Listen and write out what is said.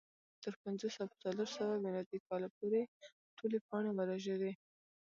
تر پنځوس او څلور سوه میلادي کاله پورې ټولې پاڼې ورژېدې